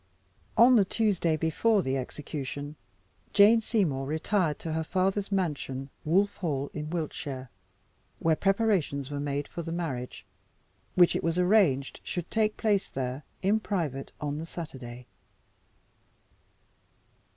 On the Tuesday before the execution, Jane Seymour retired to her father's mansion, Wolff Hall, in Wiltshire, where preparations were made for the marriage, which it was arranged should take place there in private on the Saturday.